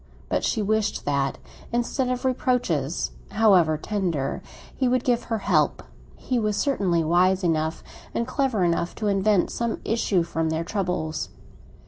But she wished that, instead of reproaches, however tender, he would give her help; he was certainly wise enough, and clever enough, to invent some issue from their troubles.